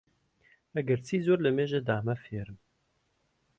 ئەگەرچی زۆر لەمێژە دامە فێرم